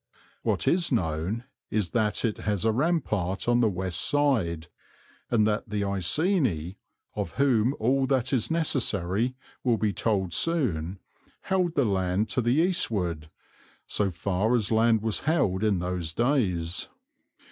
What is known is that it has a rampart on the west side, and that the Iceni, of whom all that is necessary will be told soon, held the land to the eastward, so far as land was held in those days.